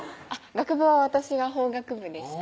学部は私が法学部でした